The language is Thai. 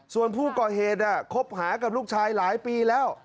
ส่วนผู้ก่อเหตุคบหากับลูกชายหลายปีแล้ว